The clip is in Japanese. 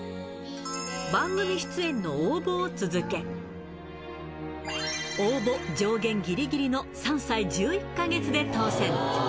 番組出演の応募を続け、応募上限ぎりぎりの３歳１１か月で当せん。